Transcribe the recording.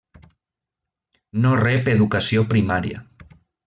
No rep educació primària.